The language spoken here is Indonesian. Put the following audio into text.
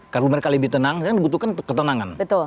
kalau mereka lebih tenang